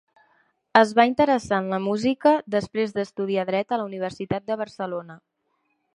Es va interessar en la música després d'estudiar Dret a la Universitat de Barcelona.